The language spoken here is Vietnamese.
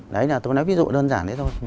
đấy là tôi nói ví dụ đơn giản đấy thôi